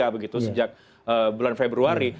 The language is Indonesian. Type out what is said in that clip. begitu sejak bulan februari